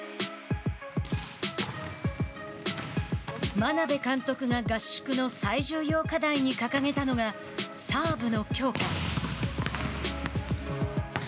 眞鍋監督が合宿の最重要課題に掲げたのがサーブの強化。